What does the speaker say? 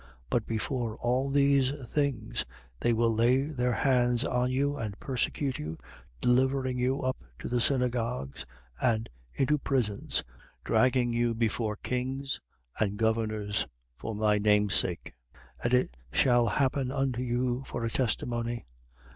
21:12. But before all these things, they will lay their hands on you and persecute you, delivering you up to the synagogues and into prisons, dragging you before kings and governors, for my name's sake. 21:13. And it shall happen unto you for a testimony.